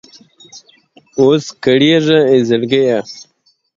اوس کړېږه اې زړګيه!